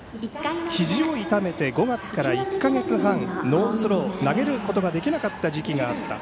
ひじを痛めて５月から１か月半ノースロー、投げることができなかった時期があった。